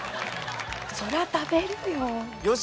そりゃ食べるよ！